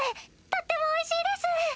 とってもおいしいです！